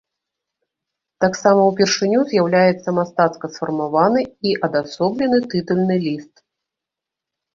Таксама упершыню з'яўляецца мастацка сфармаваны і адасоблены тытульны ліст.